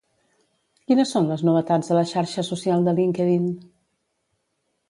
Quines són les novetats a la xarxa social de LinkedIn?